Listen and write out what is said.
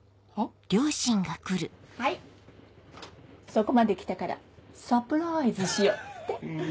そこまで来たからサプライズしようって。